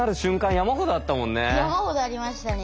山ほどありましたね。